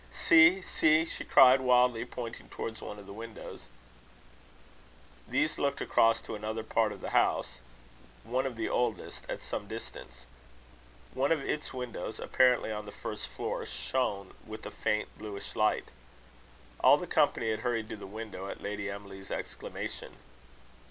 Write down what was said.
"See! see!" she cried wildly, pointing towards one of the windows. These looked across to another part of the house, one of the oldest, at some distance. One of its windows, apparently on the first floor, shone with a faint bluish light. All the company had hurried to the window at Lady Emily's exclamation.